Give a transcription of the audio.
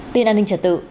tin an ninh trả tự